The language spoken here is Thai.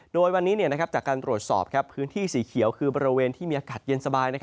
โดยวันนี้จากการตรวจสอบพื้นที่สีเขียวคือบริเวณที่มีอากาศเย็นสบาย